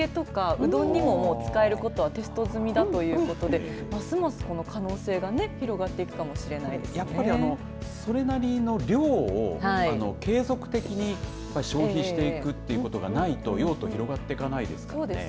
うどんにも使えることはテスト済みだということでますますこの可能性がやっぱりそれなりの量を継続的に消費していくということがないと用途、広がっていかないですからね。